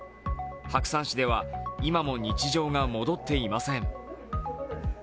白山市では今も日常が戻っていません。